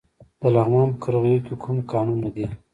د لغمان په قرغیو کې کوم کانونه دي؟